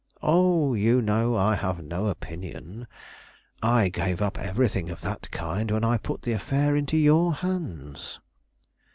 "Oh, you know I have no opinion. I gave up everything of that kind when I put the affair into your hands."